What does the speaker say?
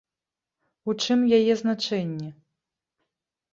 У чым яе значэнне?